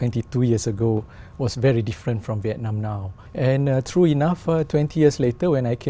nên đối với quốc gia cũ vì ở nơi đó bạn không muốn nó thay đổi nhiều